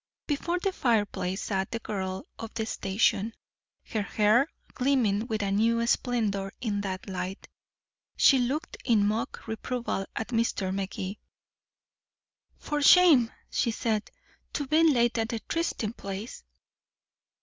Before the fireplace sat the girl of the station, her hair gleaming with a new splendor in that light. She looked in mock reproval at Mr. Magee. "For shame," she said, "to be late at the trysting place."